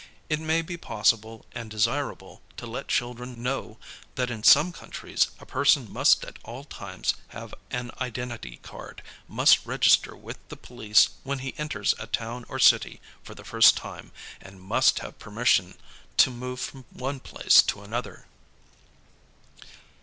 It may be possible and desirable to let children know that in some countries a person must at all times have an identity card, must register with the police when he enters a town or city for the first time, and must have permission to move from one place to another.